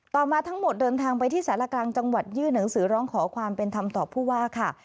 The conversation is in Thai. มาทั้งหมดเดินทางไปที่สารกลางจังหวัดยื่นหนังสือร้องขอความเป็นธรรมต่อผู้ว่าค่ะ